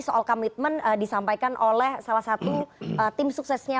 soal komitmen disampaikan oleh salah satu tim suksesnya